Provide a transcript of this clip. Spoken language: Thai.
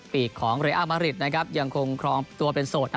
ปีกของเรอะมาริตยังคงคลองตัวเป็นโสด